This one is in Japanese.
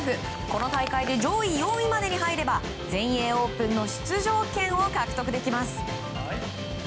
この大会で上位４位までに入れば全英オープンの出場権を獲得できます。